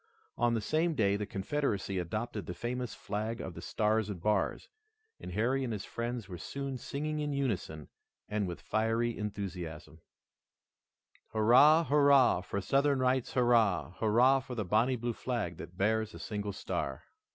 On the same day the Confederacy adopted the famous flag of the Stars and Bars, and Harry and his friends were soon singing in unison and with fiery enthusiasm: "Hurrah! Hurrah! for Southern rights, hurrah! Hurrah for the bonnie blue flag that bears a single star!"